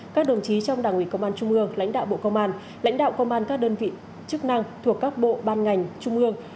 các đồng chí trong đảng ủy công an trung ương lãnh đạo bộ công an lãnh đạo công an các đơn vị chức năng thuộc các bộ ban ngành trung ương